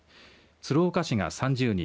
鶴岡市が３０人